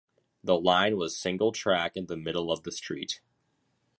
The line was single-track in the middle of the street.